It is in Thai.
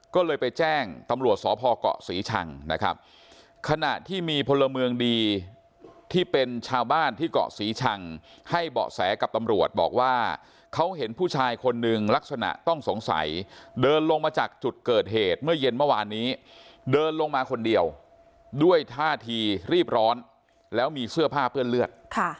ก็เลยไปแจ้งตำรวจสพเกาะศรีชังนะครับขณะที่มีพลเมืองดีที่เป็นชาวบ้านที่เกาะศรีชังให้เบาะแสกับตำรวจบอกว่าเขาเห็นผู้ชายคนหนึ่งลักษณะต้องสงสัยเดินลงมาจากจุดเกิดเหตุเมื่อเย็นเมื่อวานนี้เดินลงมาคนเดียวด้วยท่าทีรีบร้อนแล้วมีเสื้อผ้าเปื้อนเลือด